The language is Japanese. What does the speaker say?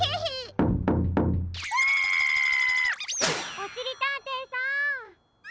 ・おしりたんていさん！